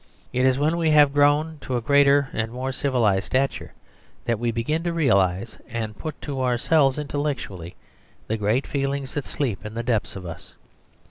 It is when we have grown to a greater and more civilised stature that we begin to realise and put to ourselves intellectually the great feelings that sleep in the depths of us.